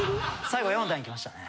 最後４段いきましたね。